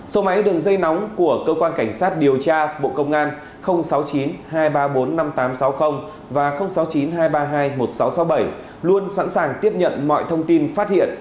số máy đường dây nóng của cơ quan cảnh sát điều tra bộ công an sáu mươi chín hai trăm ba mươi bốn năm nghìn tám trăm sáu mươi và sáu mươi chín hai trăm ba mươi hai một nghìn sáu trăm sáu mươi bảy luôn sẵn sàng tiếp nhận mọi thông tin phát hiện